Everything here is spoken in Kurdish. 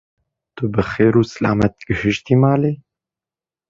Tu bi xêr û silamet gihîştî malê?